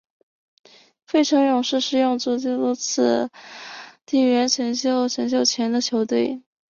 费城勇士是拥有最多次地缘选秀选秀权的球队。